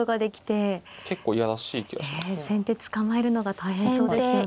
先手捕まえるのが大変そうですよね。